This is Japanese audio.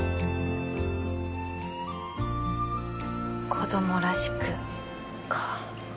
子供らしくか。